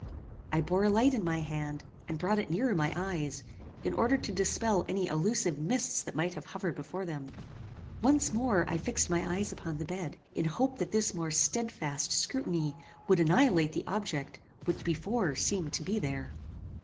I bore a light in my hand, and brought it nearer my eyes, in order to dispel any illusive mists that might have hovered before them. Once more I fixed my eyes upon the bed, in hope that this more stedfast scrutiny would annihilate the object which before seemed to be there.